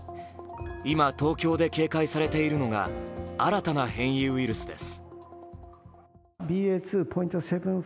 今、東京で警戒されているのが新たな変異ウイルスです。